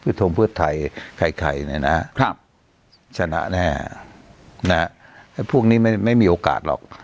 ภิกษ์ธรรมพิวสไทยใครนะชนะแน่นะฮะพวกนี้ไม่มีโอกาสหรอก